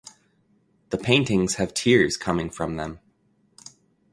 The paintings have tears coming from them.